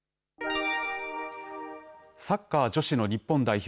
サッカー女子の日本代表